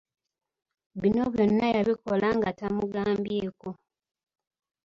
Bino byonna yabikola nga tamugambyeko.